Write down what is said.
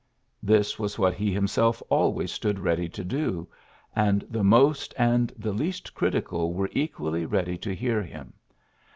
'' This was what he himself always stood ready to do, and the most and the least critical were equally ready to hear him.